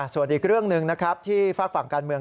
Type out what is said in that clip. ส่วนอีกเรื่องหนึ่งนะครับที่ฝากฝั่งการเมือง